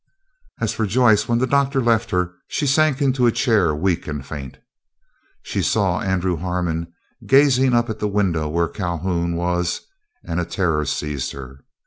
As for Joyce, when the Doctor left her she sank into a chair weak and faint. She saw Andrew Harmon gazing up at the window where Calhoun was, and a terror seized her.